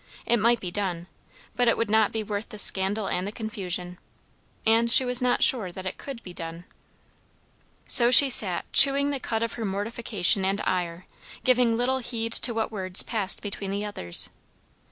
It might be done; but it would not be worth the scandal and the confusion. And she was not sure that it could be done. So she sat chewing the cud of her mortification and ire, giving little heed to what words passed between the others.